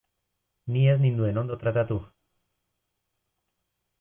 Ni ez ninduten ondo tratatu.